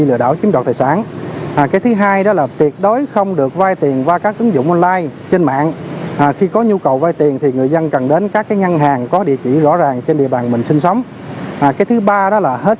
lực lượng công an toàn tỉnh